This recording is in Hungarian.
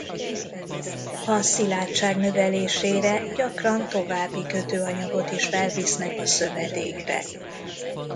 A szilárdság növelésére gyakran további kötőanyagot is felvisznek a szövedékre.